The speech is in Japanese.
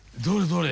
どれ？